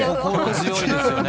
強いですよね。